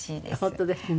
本当ですね。